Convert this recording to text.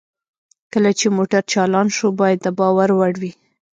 کله چې موټر چالان شو باید د باور وړ وي